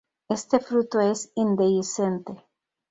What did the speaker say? Este fruto es indehiscente.